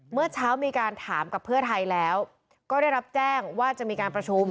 เมื่อเช้ามีการถามกับเพื่อไทยแล้วก็ได้รับแจ้งว่าจะมีการประชุม